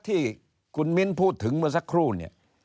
ที่คุณมิ้นพูดถึงเมื่อสักครู่เนี่ย